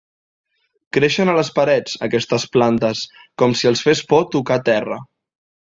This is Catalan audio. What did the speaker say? Creixen a les parets, aquestes plantes, com si els fes por tocar terra.